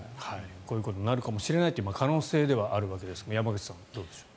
こういうことになるかもしれないという可能性ではあるわけですが山口さん、どうでしょう。